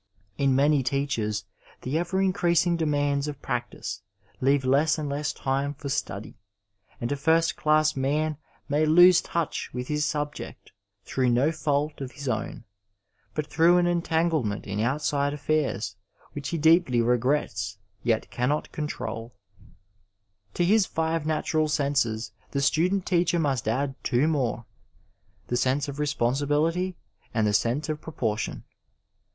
In many teachers the eyar inoreasing demands of practice leave less and less time for study, and a first class man may lose touch with his subject through no fault of his own, but through an entanglement in outside affairs which he deeply regrets yet cannot contioL To his five natural senses the student teacher must add two more — ^the sense of responsi bility and the sense of proportion.